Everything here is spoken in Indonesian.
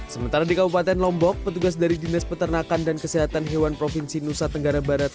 sementara di kabupaten lombok petugas dari dinas peternakan dan kesehatan hewan provinsi nusa tenggara barat